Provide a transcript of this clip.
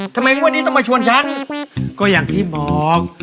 งวดนี้ต้องมาชวนฉันก็อย่างที่บอก